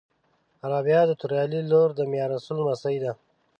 رابعه د توریالي لور د میارسول لمسۍ ده